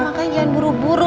makanya jangan buru buru